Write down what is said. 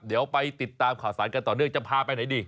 เดี๋ยวไปติดตามข่าวสารกันต่อเนื่องจะพาไปไหนดี